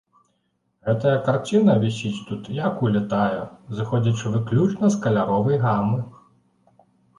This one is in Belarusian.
Гэтая карціна вісіць тут як улітая, зыходзячы выключна з каляровай гамы.